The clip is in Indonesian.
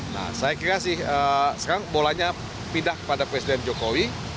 nah saya kira sih sekarang bolanya pindah kepada presiden jokowi